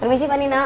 permisi pak nino